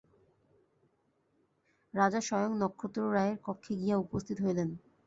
রাজা স্বয়ং নক্ষত্ররায়ের কক্ষে গিয়া উপস্থিত হইলেন।